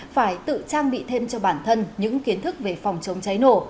phải tự trang bị thêm cho bản thân những kiến thức về phòng chống cháy nổ